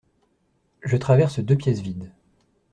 Je traverse deux pièces vides.